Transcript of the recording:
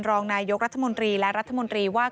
รองนายกรัฐมนตรีและรัฐมนตรีว่า